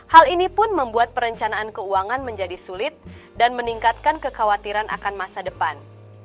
hal ini pun membuat perencanaan keuangan menjadi sulit dan meningkatkan kekhawatiran akan masa depan